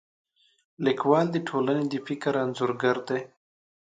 لیکوال د ټولنې د فکر انځورګر دی.